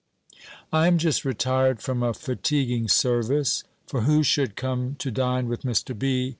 I am just retired from a fatiguing service; for who should come to dine with Mr. B.